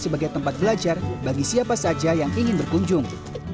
sebagai tempat belajar bagi siapa saja yang ingin berkunjung